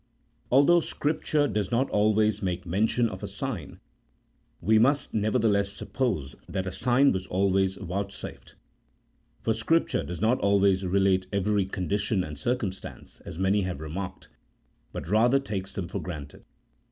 Although Scripture does not always make mention of a sign, we must nevertheless suppose that a sign was always vouchsafed; for Scripture does not always relate every condition and circumstance (as many have remarked), but rather takes them for granted.